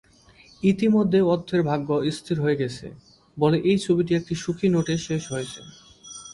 ইতিমধ্যে অর্থের ভাগ্য স্থির হয়ে গেছে বলে এই ছবিটি একটি সুখী নোটে শেষ হয়েছে।